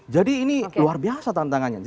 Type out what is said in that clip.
jadi ini luar biasa tantangannya